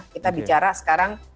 kita bicara sekarang